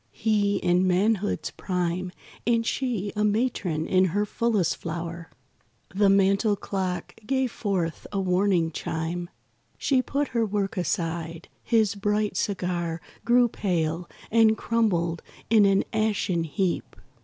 He in manhood's prime And she a matron in her fullest flower. The mantel clock gave forth a warning chime. She put her work aside; his bright cigar Grew pale, and crumbled in an ashen heap.